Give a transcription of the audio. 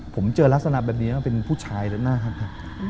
ผมเจอลักษณะแบบนี้ว่าเป็นผู้ชายแล้วนะครับ